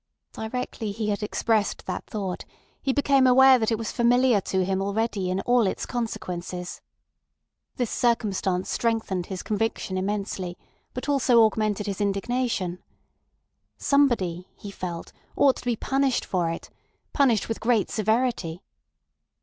Directly he had expressed that thought he became aware that it was familiar to him already in all its consequences. This circumstance strengthened his conviction immensely, but also augmented his indignation. Somebody, he felt, ought to be punished for it—punished with great severity.